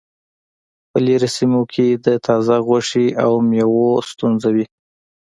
په لرې سیمو کې د تازه غوښې او میوو ستونزه وي